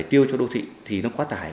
tiêu cho đô thị thì nó quá tải